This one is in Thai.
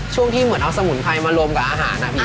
ช่วงที่เหมือนเอาสมุนไพรมารวมกับอาหาร